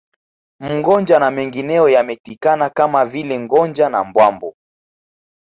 Mgonja na mengineyo yametikana Kama vile Gonja na Bwambo